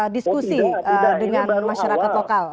diskusi dengan masyarakat lokal